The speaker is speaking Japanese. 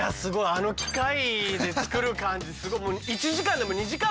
あの機械で作る感じすごい。